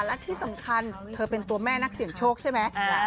และที่สำคัญเธอเป็นตัวแม่นักเสี่ยงโชคใช่ไหม